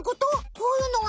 こういうのが？